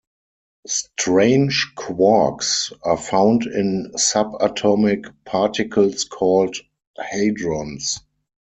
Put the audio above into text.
Strange quarks are found in subatomic particles called hadrons.